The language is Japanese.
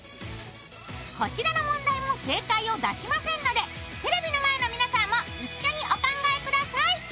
こちらの問題も正解を出しませんので、テレビの前の皆さんも一緒にお考えください。